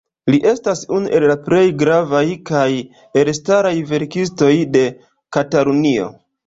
Li estas unu el la plej gravaj kaj elstaraj verkistoj de Katalunio.